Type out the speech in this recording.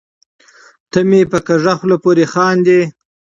ته مې په کږه خوله پورې خاندې .